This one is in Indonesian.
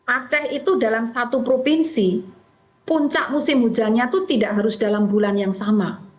aceh itu dalam satu provinsi puncak musim hujannya itu tidak harus dalam bulan yang sama